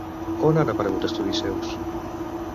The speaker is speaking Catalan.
On han aparegut estudis seus?